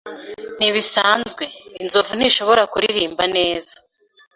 Ntibisanzwe, inzovu ntishobora kuririmba neza.